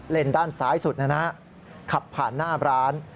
ด้านซ้ายสุดนะฮะขับผ่านหน้าร้าน